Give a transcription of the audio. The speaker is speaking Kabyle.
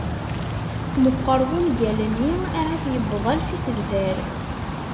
Meqqer wungal-nni, ahat yewweḍ alef isebtar.